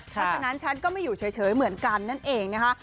เพราะฉะนั้นฉันก็ไม่อยู่เฉยเหมือนกันนั่นเองนะคะ